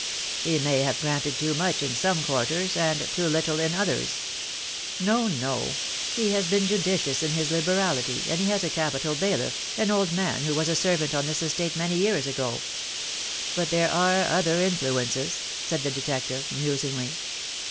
"He may have granted too much in some quarters, and too little in others." "No, no. He has been judicious in his liberality, and THE DAY WILL COME. I I J he has a capital bailiff, an old man who was a servant on this estate many years ago." "But there are other influences," said the detective, musingly.